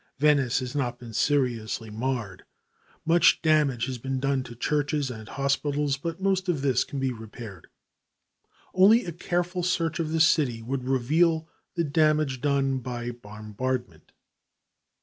Venice has not been seriously marred. Much damage has been done to churches and hospitals, but most of this can be repaired. Only a careful search of the city would reveal the damage done by bombardment.